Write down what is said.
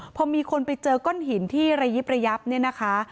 พอมีคนไปเจอก้อนหินที่ระยิบระยับเนี่ยนะคะ